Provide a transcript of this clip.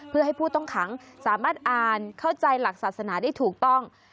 เพื่อให้ผู้ต้องขังสามารถอ่านเข้าใจหลักศาสนาได้ถูกต้อง